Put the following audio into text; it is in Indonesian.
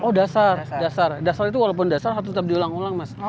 oh dasar dasar itu walaupun dasar harus tetap diulang ulang mas